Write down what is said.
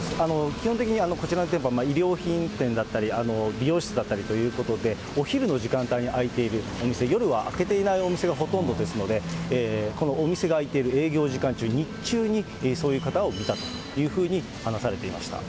基本的にこちらの店舗は衣料品店だったり、美容室だったりということで、お昼の時間帯に開いているお店、夜は開けていないお店がほとんどですので、このお店が開いている営業時間中、日中にそういう方を見たというふうに話されていました。